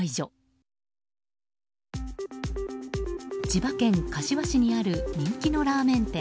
千葉県柏市にある人気のラーメン店。